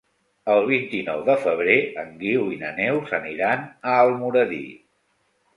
El vint-i-nou de febrer en Guiu i na Neus aniran a Almoradí.